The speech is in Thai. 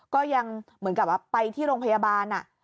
ก็ยังเหมือนกับไปที่โรงพยาบาล